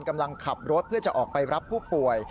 กำลังขับรถเพื่อจะออกไปรับผู้ป่วย